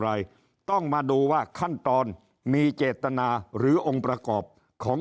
อะไรต้องมาดูว่าขั้นตอนมีเจตนาหรือองค์ประกอบของ